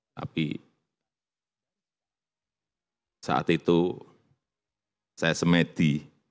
tapi saat itu saya semedi